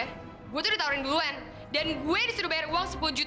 saya itu ditawarkan duluan dan saya disuruh bayar uang sepuluh juta